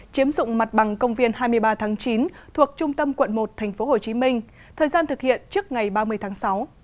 chiếm dụng mặt bằng công viên hai mươi ba tháng chín thuộc trung tâm quận một tp hcm thời gian thực hiện trước ngày ba mươi tháng sáu